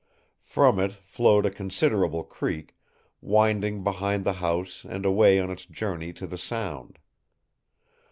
From it flowed a considerable creek, winding behind the house and away on its journey to the Sound.